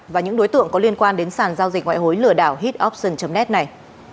và những đối tượng có liên quan đến sàn giao dịch ngoại hối lửa đảo hitoption net này